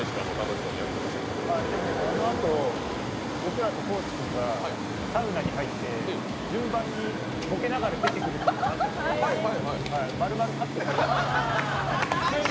あのあと、僕らと高地君がサウナに入って順番にボケながら出てくるっていうのがあったんですけど、まるまるカットされました。